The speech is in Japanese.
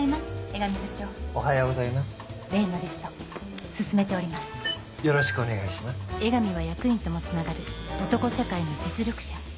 江上は役員ともつながる男社会の実力者